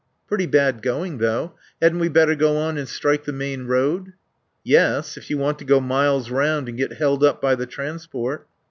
"Pretty bad going though. Hadn't we better go on and strike the main road?" "Yes, if you want to go miles round and get held up by the transport."